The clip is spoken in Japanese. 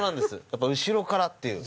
やっぱ後ろからっていう。